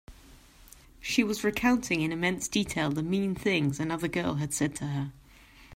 She was recounting in immense detail the mean things another girl had said to her.